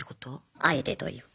あえてというか。